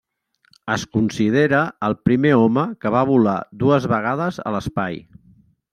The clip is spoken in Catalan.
Es considera el primer home que va volar dues vegades a l'espai.